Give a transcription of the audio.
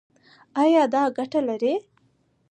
ایا دا ګټه لري؟